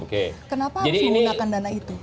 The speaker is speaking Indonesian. kenapa harus menggunakan dana itu